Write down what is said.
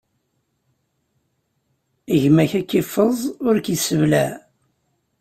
Gma-k ad k-iffeẓ, ur k-isseblaɛ.